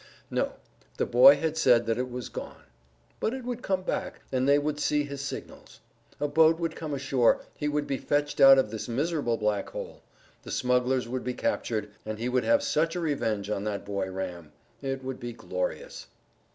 No: the boy had said that it was gone. But it would come back, and they would see his signals; a boat would come ashore, he would be fetched out of this miserable black hole; the smugglers would be captured, and he would have such a revenge on that boy Ram. It would be glorious.